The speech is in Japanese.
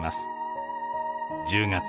１０月。